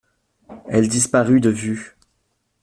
Elle disparut de vue.